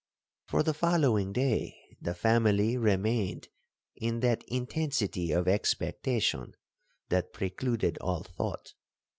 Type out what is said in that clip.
'For the following day the family remained in that intensity of expectation that precluded all thought.